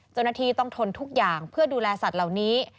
เจ้าหน้าที่ต้องทนทุกอย่างเพื่อดูแลสัตว์เหล่านี้